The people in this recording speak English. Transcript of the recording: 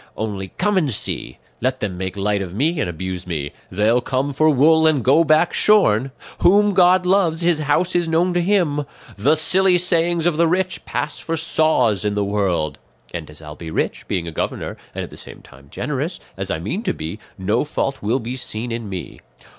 Only come and see! Let them make light of me and abuse me; 'they'll come for wool and go back shorn;' 'whom God loves, his house is known to Him;' 'the silly sayings of the rich pass for saws in the world;' and as I'll be rich, being a governor, and at the same time generous, as I mean to be, no fault will be seen in me.